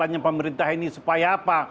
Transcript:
jalan yang pemerintah ini supaya apa